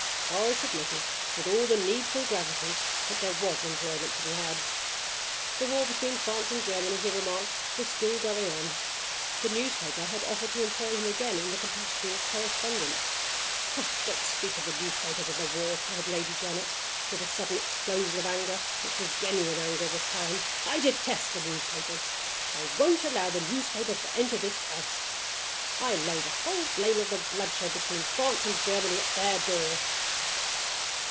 Horace admitted, with all needful gravity, that there was employment to be had. The war between France and Germany, he remarked, was still going on: the newspaper had offered to employ him again in the capacity of correspondent. "Don't speak of the newspapers and the war!" cried Lady Janet, with a sudden explosion of anger, which was genuine anger this time. "I detest the newspapers! I won't allow the newspapers to enter this house. I lay the whole blame of the blood shed between France and Germany at their door."